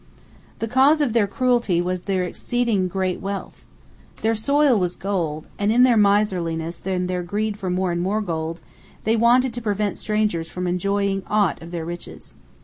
The cause of their cruelty was their exceeding great wealth. Their soil was gold, and in their miserliness and their greed for more and more gold, they wanted to prevent strangers from enjoying aught of their riches.